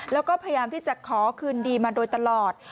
แล้วก็พยายามที่จะขอคืนดีมาโดยตลอด